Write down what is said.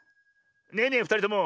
ねえねえふたりとも。